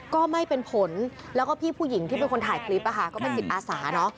ก็ไม่เป็นผลแล้วก็พี่ผู้หญิงที่เป็นคนถ่ายคลิปก็เป็นจิตอาสาเนอะ